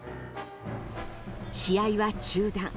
試合は中断。